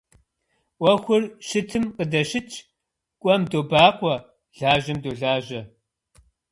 Ӏуэхур щытым къыдэщытщ, кӀуэм добакъуэ, лажьэм долажьэ.